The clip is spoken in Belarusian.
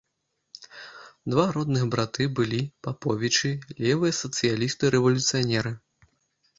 Два родных браты былі, паповічы, левыя сацыялісты-рэвалюцыянеры.